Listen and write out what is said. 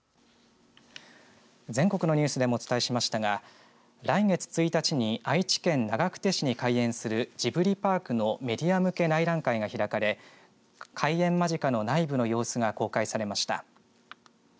全国のニュースでもお伝えしましたが来月１日に愛知県長久手市に開園するジブリパークのメディア向け内覧会が開かれ開園間近の内部の様子が公開されました。